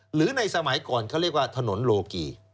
หรือในสมัยก่อนเขาเรียกว่าถนนโลกี